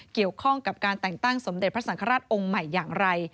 เกี่ยวข้องกับการแต่งตั้งสมเด็จพระสังฆราชองค์ใหม่อย่างไร